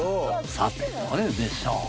さてどれでしょう？